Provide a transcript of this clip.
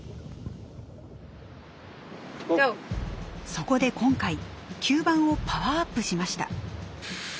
そこで今回吸盤をパワーアップしました。